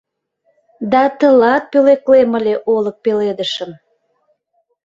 Да тылат пӧлеклем ыле олык пеледышым